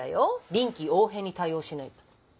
臨機応変に対応しないと。